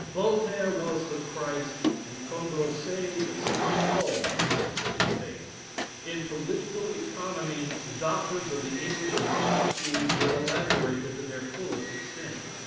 Voltaire was the Christ, and Condorcet the St. Paul of the new faith. In political economy, the doctrines of the English and Scotch schools were elaborated to their fullest extent.